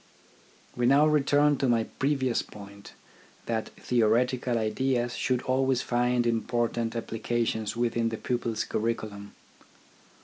We now return to my previous point, that theoretical ideas should always find important applications within the pupil's curriculum.